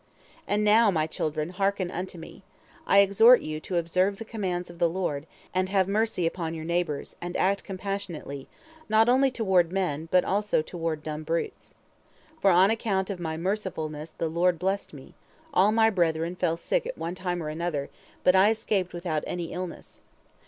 "And now, my children, hearken unto me. I exhort you to observe the commands of the Lord, and have mercy upon your neighbors, and act compassionately, not only toward men, but also toward dumb brutes. For on account of my mercifulness the Lord blessed me; all my brethren fell sick at one time or another, but I escaped without any illness.